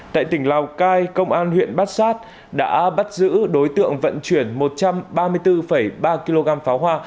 tại tỉnh lào cai công an huyện bát sát đã bắt giữ đối tượng vận chuyển một trăm ba mươi bốn ba kg pháo hoa